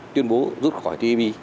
tuyên bố rút khỏi tpp